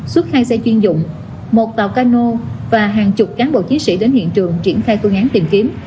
xuất khai xe chuyên dụng một tàu cano và hàng chục cán bộ chiến sĩ đến hiện trường triển khai cơ ngán tìm kiếm